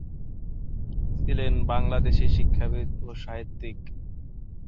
ছিলেন বাংলাদেশি শিক্ষাবিদ ও সাহিত্যিক।